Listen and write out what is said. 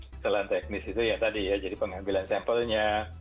kesalahan teknis itu ya tadi ya jadi pengambilan sampelnya